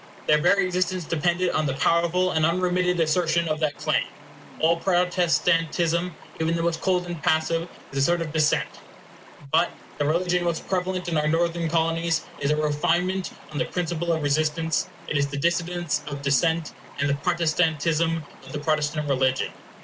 Their very existence depended on the powerful and unremitted assertion of that claim. All Protestantism, even the most cold and passive, is a sort of dissent. But the religion most prevalent in our Northern Colonies is a refinement on the principle of resistance; it is the dissidence of dissent, and the protestantism of the Protestant religion.